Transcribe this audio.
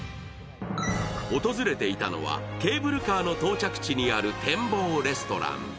訪れていたのはケーブルカーの到着地にある展望レストラン。